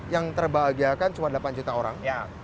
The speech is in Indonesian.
yang terbahagiakan cuma delapan juta orang